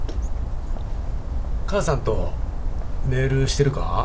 母さんとメールしてるか？